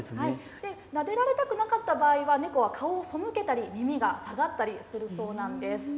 なでられたくなかった場合は、猫は顔をそむけたり、耳が下がったりするそうなんです。